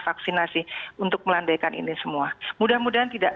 vaksinasi untuk melandaikan ini semua